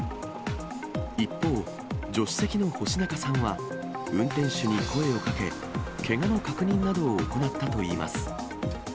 一方、助手席の星中さんは、運転手に声をかけ、けがの確認などを行ったといいます。